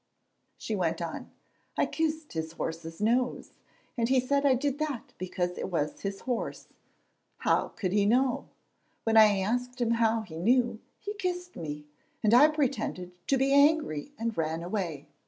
She went on, "I kissed his horse's nose, and he said I did that because it was his horse. How could he know? When I asked him how he knew, he kissed me, and I pretended to be angry and ran away.